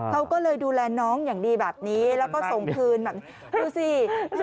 เขาก็เลยดูแลน้องอย่างดีแบบนี้แล้วก็ส่งคืนแบบนี้ดูสิ